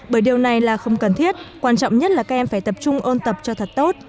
bởi điều này là không cần thiết quan trọng nhất là các em phải tập trung ôn tập cho thật tốt